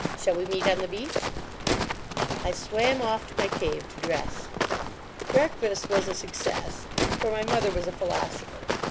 Shall we meet on the beach?" I swam off to my cave to dress. Breakfast was a success, for my mother was a philosopher.